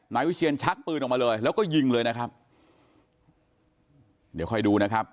นายวิเชียนชักปืนออกมาเลยแล้วก็ยิงเลยนะครับเดี๋ยวค่อยดูนะครับ